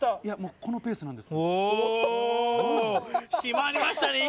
このペースなんです。